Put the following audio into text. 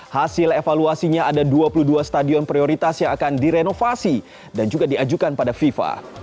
hasil evaluasinya ada dua puluh dua stadion prioritas yang akan direnovasi dan juga diajukan pada fifa